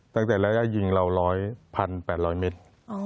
ตั้งแต่ระยะยิงเรา๑๐๑๘๐๐เมตร